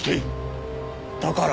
だから？